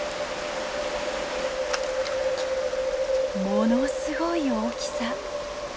ものすごい大きさ！